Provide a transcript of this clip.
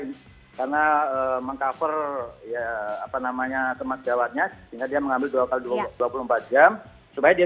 ini karena mengcover ya apa namanya teman jawabnya sehingga dia mengambil dua kali dua puluh empat jam supaya dia